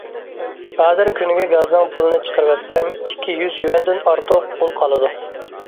ھازىر كۈنىگە گازنىڭ پۇلىنى چىقىرىۋەتسەم ئىككى يۈز يۈەندىن ئارتۇق پۇل قالىدۇ.